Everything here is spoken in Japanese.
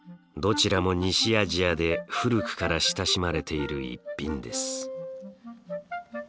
どちらも西アジアで古くから親しまれている逸品です。